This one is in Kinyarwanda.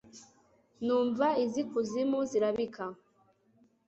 numva iz'ikuzimu zirabika